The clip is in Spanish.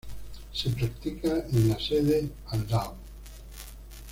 Se practica en la sede Aldao.